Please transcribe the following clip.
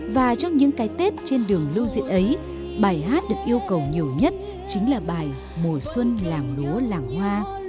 và trong những cái tết trên đường lưu diễn ấy bài hát được yêu cầu nhiều nhất chính là bài mùa xuân làng lúa làng hoa